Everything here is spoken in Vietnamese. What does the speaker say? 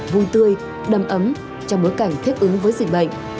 vui tươi đầm ấm trong bối cảnh thích ứng với dịch bệnh